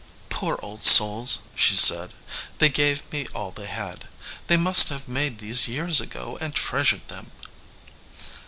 "Poor old souls," she said; "they gave me all they had. They must fcave made these years ago and treasured them."